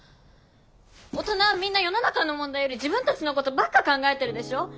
大人はみんな世の中の問題より自分たちのことばっか考えてるでしょ！